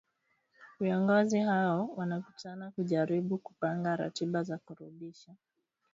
Viongozi hao wanakutana kujaribu kupanga ratiba za kurudisha utawala wa kiraia